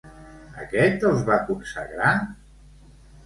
Aquest els va consagrar?